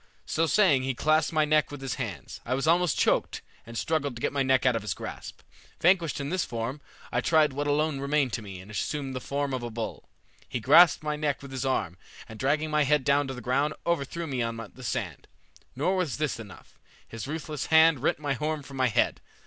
So saying he clasped my neck with his hands. I was almost choked, and struggled to get my neck out of his grasp. Vanquished in this form, I tried what alone remained to me and assumed the form of a bull. He grasped my neck with his arm, and dragging my head down to the ground, overthrew me on the sand. Nor was this enough. His ruthless hand rent my horn from my head.